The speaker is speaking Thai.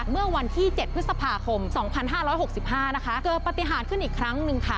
เมื่อวันที่๗พฤษภาคม๒๕๖๕นะคะเกิดปฏิหารขึ้นอีกครั้งหนึ่งค่ะ